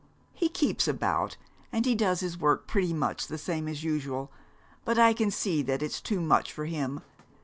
He keeps about, and he does his work pretty much the same as usual, but I can see that it's too much for him.